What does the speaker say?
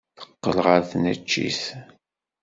Teqqel ɣer tneččit.